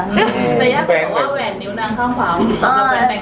แต่อยากบอกว่าเวียนนิ้วนางข้างขวัง